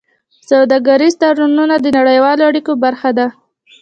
سوداګریز تړونونه د نړیوالو اړیکو برخه ده.